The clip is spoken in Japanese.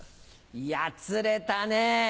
やつれたね。